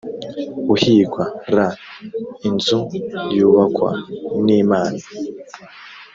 uhingwa r inzu yubakwa n imana